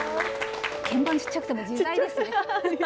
鍵盤ちっちゃくても自在ですね。